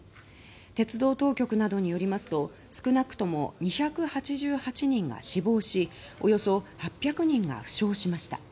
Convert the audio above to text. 鉄道当局などによりますと少なくとも２８８人が死亡しおよそ８００人が負傷しました。